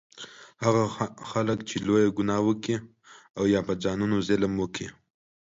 هغه خلک چې لویه ګناه وکړي او یا په ځانونو ظلم وکړي